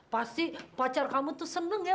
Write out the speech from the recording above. pasti pacar kamu tuh seneng ya